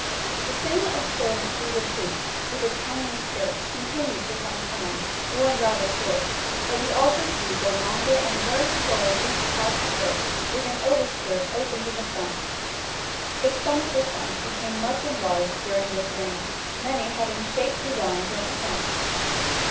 The same absurd pleated hoop, with its hanging skirt, continued for some time (worn rather short); but we also see the longer and very full hooped out skirt, with an overskirt opened in the front. The stomacher front became much enlarged during this reign, many having shaped designs at the point.